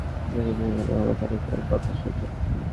ঠিকাদারের লোকজনকে পাথর সরিয়ে নিতে বলা হলেও তাঁরা কোনো কথা শুনছেন না।